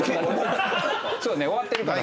そうね終わってるから。